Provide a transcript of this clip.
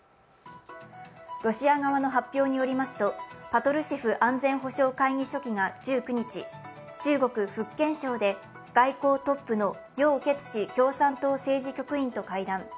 ロシア側の発表によりますと、パトルシェフ安全保障会議書記が１９日、中国福建省で外交トップの楊潔チ共産党政治局員と会談。